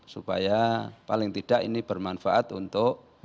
supaya paling tidak ini bermanfaat untuk